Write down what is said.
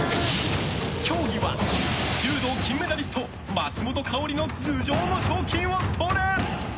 競技は柔道金メダリスト松本薫の頭上の賞金を取れ！